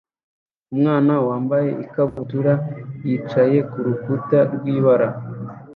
Umwana wambaye ikabutura yicaye kurukuta rwibara